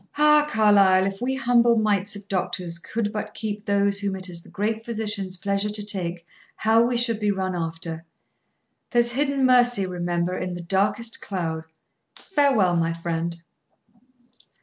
"Ah, Carlyle! If we humble mites of human doctors could but keep those whom it is the Great Physician's pleasure to take, how we should be run after! There's hidden mercy, remember, in the darkest cloud. Farewell my friend."